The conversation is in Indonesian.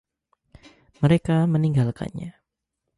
Mereka meninggalkannya.